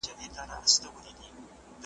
د ویرجینیا پسرلی او منی دواړه ښکلي دي ,